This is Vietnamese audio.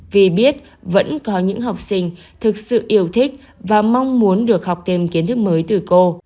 vì biết vẫn có những học sinh thực sự yêu thích và mong muốn được học thêm kiến thức mới từ cô